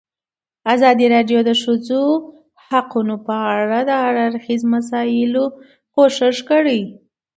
ازادي راډیو د د ښځو حقونه په اړه د هر اړخیزو مسایلو پوښښ کړی.